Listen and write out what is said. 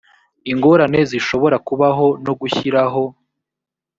ingorane zishobora kubaho no gushyiraho